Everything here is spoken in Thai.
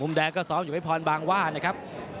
แดงก็ซ้อมอยู่ให้พรบางว่านะครับ